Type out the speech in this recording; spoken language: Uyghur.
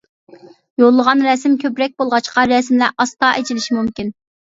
يوللىغان رەسىم كۆپرەك بولغاچقا رەسىملەر ئاستا ئېچىلىشى مۇمكىن.